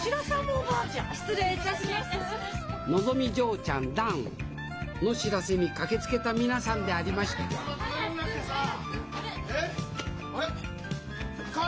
のぞみ嬢ちゃんダウンの知らせに駆けつけた皆さんでありました早く早く！